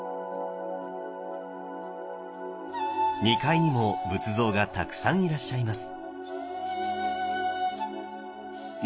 ２階にも仏像がたくさんいらっしゃいます。